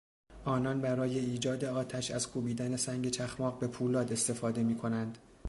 آنان برای ایجاد آتش از کوبیدن سنگ چخماق به پولاد استفاده میکنند.